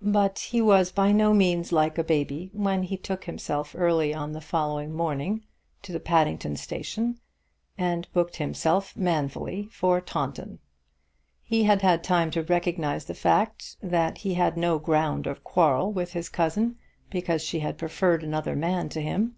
But he was by no means like a baby when he took him early on the following morning to the Paddington Station, and booked himself manfully for Taunton. He had had time to recognise the fact that he had no ground of quarrel with his cousin because she had preferred another man to him.